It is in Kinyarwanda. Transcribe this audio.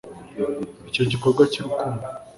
icyo gikorwa cy'urukundo